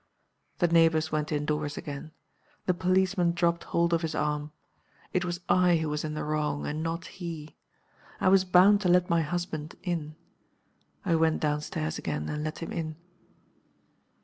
The neighbors went indoors again. The policeman dropped hold of his arm. It was I who was in the wrong, and not he. I was bound to let my husband in. I went down stairs again, and let him in.